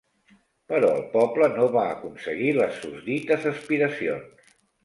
Però el poble no va aconseguir les susdites aspiracions.